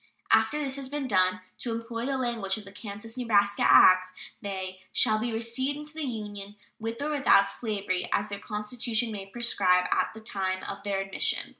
After this has been done, to employ the language of the Kansas and Nebraska act, they "shall be received into the Union with or without slavery, as their constitution may prescribe at the time of their admission."